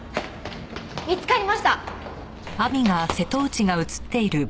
見つかりました。